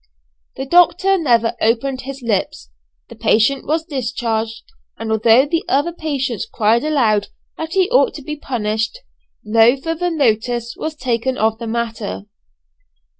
The doctor never opened his lips; the patient was discharged, and although the other patients cried aloud that he ought to be punished, no further notice was taken of the matter.